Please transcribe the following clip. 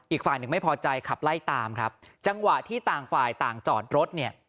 อีกฝ่ายหนึ่งไม่พอใจขับไล่ตามครับจังหวะที่ต่างฝ่ายต่างจอดรถเนี่ย